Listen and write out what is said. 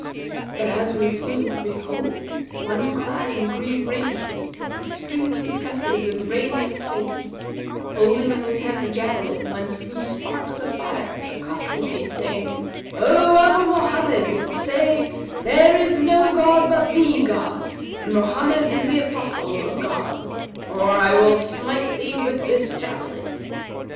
[FN#239] But, as we flew, behold, One clad in green raiment,[FN#240] with streaming tresses and radiant face, holding in his hand a javelin whence flew sparks of fire, accosted me, saying, 'O Abu Mohammed, say:—There is no god but the God and Mohammed is the Apostle of God; or I will smite thee with this javelin.'